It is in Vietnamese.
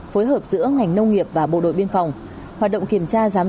phối hợp giữa ngành nông nghiệp và bộ đội biên phòng